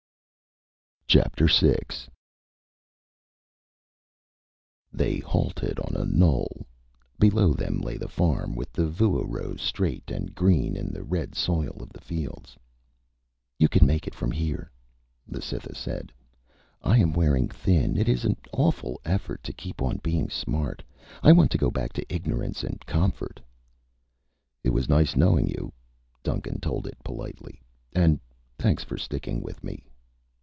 VI They halted on a knoll. Below them lay the farm, with the vua rows straight and green in the red soil of the fields. "You can make it from here," the Cytha said. "I am wearing thin. It is an awful effort to keep on being smart. I want to go back to ignorance and comfort." "It was nice knowing you," Duncan told it politely. "And thanks for sticking with me."